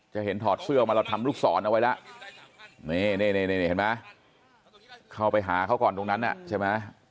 จะเห็นถอดเสื้อมาเราทำลูกศรเอาไว้แล้วนี่เห็นไหมเข้าไปหาเขาก่อนตรงนั้นใช่ไหม